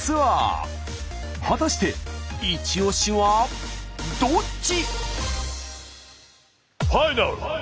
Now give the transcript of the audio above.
果たしてイチオシはどっち？